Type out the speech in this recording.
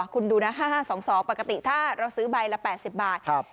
คุณดูนะ๕๕๒๒ปกติถ้าเราซื้อใบละ๘๐บาท